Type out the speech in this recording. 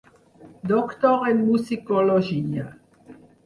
Doctor en musicologia.